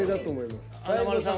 華丸さん